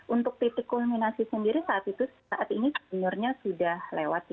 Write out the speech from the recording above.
untuk titik kulminasi sendiri saat ini sebenarnya sudah lewat